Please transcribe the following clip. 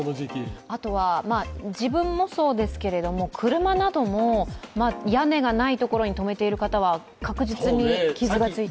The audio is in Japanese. あとは自分もそうですけど、車なども屋根のないところにとめている方は確実に傷がついて。